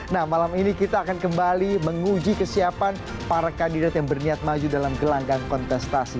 nah malam ini kita akan kembali menguji kesiapan para kandidat yang berniat maju dalam gelanggang kontestasi